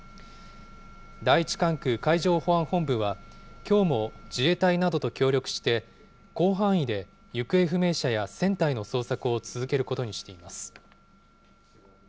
第１管区海上保安本部はきょうも自衛隊などと協力して、広範囲で行方不明者や船体の捜索を続けることにしています。